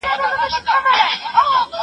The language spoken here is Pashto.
زه انځورونه نه رسم کوم،